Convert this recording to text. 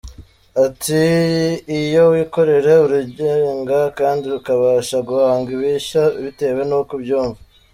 Ati “ Iyo wikorera urigenga, kandi ukabasha guhanga ibishya bitewe n’uko ubyumva.